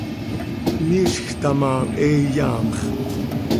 Miizj taa ma, he iyaamx.